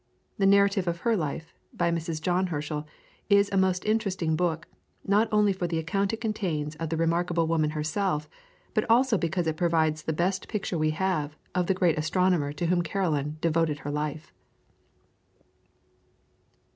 The narrative of her life, by Mrs. John Herschel, is a most interesting book, not only for the account it contains of the remarkable woman herself, but also because it provides the best picture we have of the great astronomer to whom Caroline devoted her life.